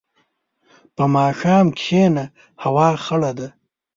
په ماښام کښېنه، هوا خړه ده.